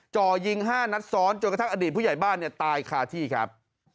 จ่อยิง๕นัดซ้อนจนกระทั่งอดีตผู้ใหญ่บ้านเนี่ยตายคาที่ครับ